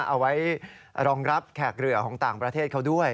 เอาไว้รองรับแขกเรือของต่างประเทศเขาด้วย